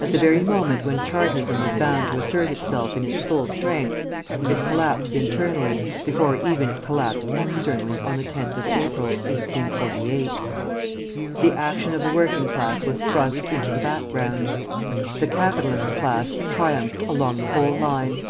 At the very moment when Chartism was bound to assert itself in its full strength, it collapsed internally, before even it collapsed externally on the 10th of April, 1848. The action of the working class was thrust into the background. The capitalist class triumphed along the whole line.